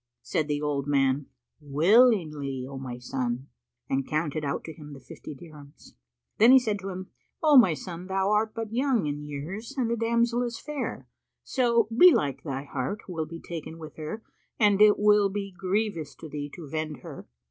Said the old man, "Willingly, O my son," and counted out to him the fifty dirhams. Then he said to him, "O my son, thou art but young in years and the damsel is fair, so belike thy heart will be taken with her and it will be grievous to thee to vend her.